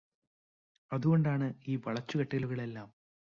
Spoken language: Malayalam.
അതുകൊണ്ടാണ് ഈ വളച്ചുകെട്ടലുകളെല്ലാം.